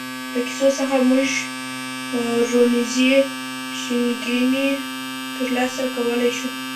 له کیسو څخه موږ روزنیزې ښېګڼې تر لاسه کولای شو.